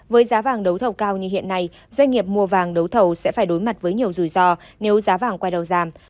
với giá vàng đấu thầu cao như hiện nay doanh nghiệp mua vàng đấu thầu sẽ phải đối mặt với nhiều rủi ro nếu giá vàng quay đầu giảm